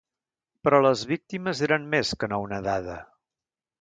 Però les víctimes eren més que no una dada.